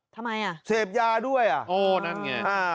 ทำไมอ่ะเสพยาด้วยอ่ะโอ้นั่นไงอ่า